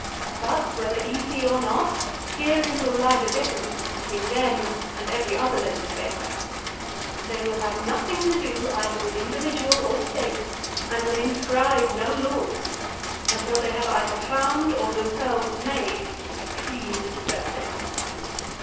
But whether easy or not, herein will lie the difference between them and every other legislator,—they will have nothing to do either with individual or State, and will inscribe no laws, until they have either found, or themselves made, a clean surface.